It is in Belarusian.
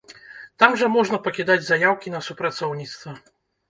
Там жа можна пакідаць заяўкі на супрацоўніцтва.